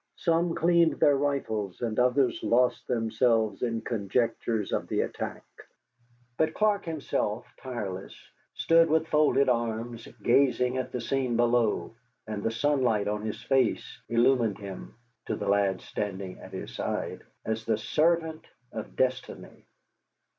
Some cleaned their rifles, and others lost themselves in conjectures of the attack. But Clark himself, tireless, stood with folded arms gazing at the scene below, and the sunlight on his face illumined him (to the lad standing at his side) as the servant of destiny.